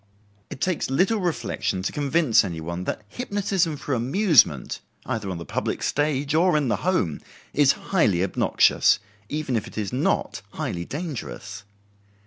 It takes little reflection to convince any one that hypnotism for amusement, either on the public stage or in the home, is highly obnoxious, even if it is not highly dangerous.